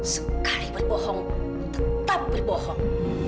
sekali berbohong tetap berbohong